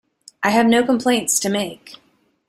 I have no complaints to make.